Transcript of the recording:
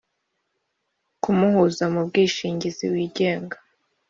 ku muhuza mu bwishingizi wigenga;